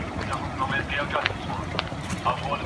له محمد بن حسن څخه بل روايت داسي منقول دی.